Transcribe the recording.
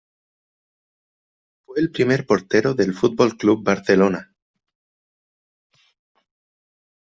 Fue el primer portero del Futbol Club Barcelona.